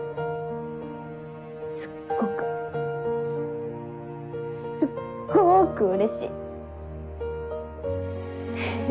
すっごくすっごくうれしい。